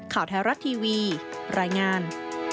ข่าวไทยรัฐทีวีรายงาน